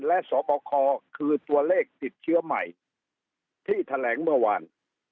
และสบคคือตัวเลขติดเชื้อใหม่ที่แถลงเมื่อวาน